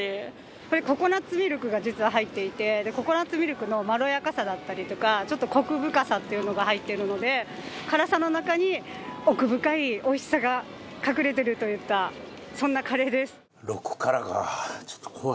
これココナッツミルクが実は入っていてココナッツミルクのまろやかさだったりとかちょっとコク深さっていうのが入っているので辛さの中に奥深いおいしさが隠れてるといったそんなカレーです。